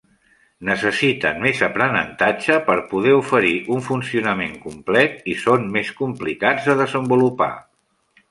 Necessiten més aprenentatge per poder oferir un funcionament complet i són més complicats de desenvolupar.